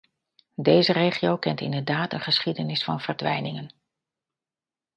Deze regio kent inderdaad een geschiedenis van verdwijningen.